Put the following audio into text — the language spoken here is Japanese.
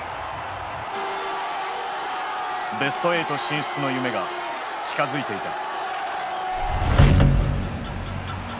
ベスト８進出の夢が近づいていた。